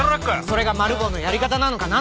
それがマル暴のやり方なのかな